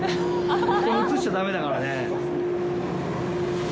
これ映しちゃだめだからね。